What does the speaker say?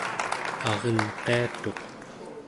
arenqiatuq